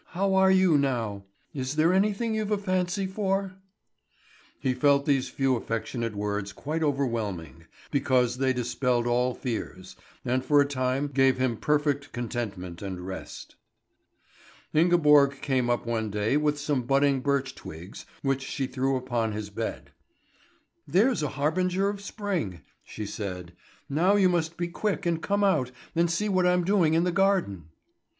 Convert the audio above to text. How are you now? Is there anything you've a fancy for?" He felt these few affectionate words quite overwhelming, because they dispelled all fears, and for a time gave him perfect contentment and rest. Ingeborg came up one day with some budding birch twigs which she threw upon his bed. "There's a harbinger of spring," she said. "Now you must be quick and come out, and see what I'm doing in the garden."